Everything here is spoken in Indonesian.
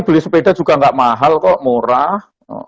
beli sepeda juga nggak mahal kok murah